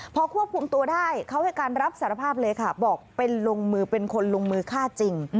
พอควบคุมตัวได้เขาให้การรับสารภาพเลยค่ะบอกเป็นลงมือเป็นคนลงมือฆ่าจริง